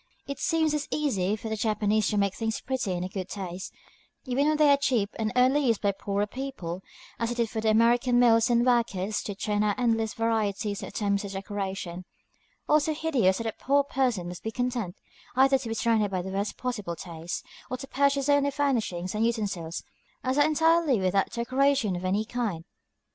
It seems as easy for the Japanese to make things pretty and in good taste, even when they are cheap and only used by the poorer people, as it is for American mills and workers to turn out endless varieties of attempts at decoration, all so hideous that a poor person must be content, either to be surrounded by the worst possible taste, or to purchase only such furnishings and utensils as are entirely without decoration of any kind.